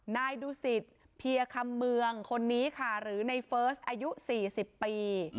นายดูสิตเพียคำเมืองคนนี้ค่ะหรือในเฟิร์สอายุ๔๐ปี